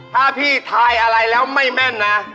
ถ้าพี่ทายอะไรแล้วไม่แม่นนะ